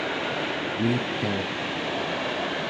uitauq